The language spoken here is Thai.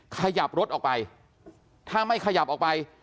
ขยับรถออกไปถ้าไม่ขยับออกไป